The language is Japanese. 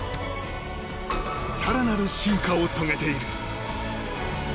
更なる進化を遂げている。